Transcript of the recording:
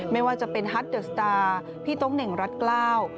ไม่ว่าจะเป็นฮัตเดอร์สตาร์พี่โต๊งเหน่งรัฐกล้า